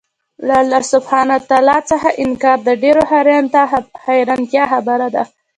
له الله سبحانه وتعالی څخه انكار د ډېري حيرانتيا خبره ده